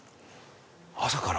「朝から？」